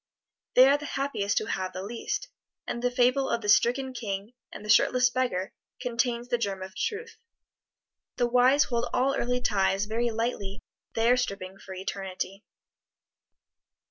They are the happiest who have the least; and the fable of the stricken king and the shirtless beggar contains the germ of truth. The wise hold all earthly ties very lightly they are stripping for eternity.